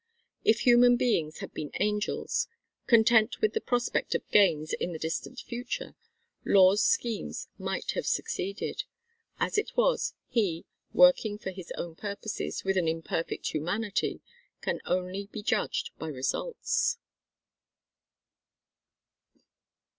If human beings had been angels, content with the prospect of gains in the distant future, Law's schemes might have succeeded. As it was, he, working for his own purposes with an imperfect humanity, can only be judged by results.